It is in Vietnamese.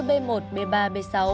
như b một b ba b sáu